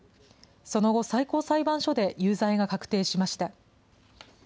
その後、最高裁判所で有罪が確定しました。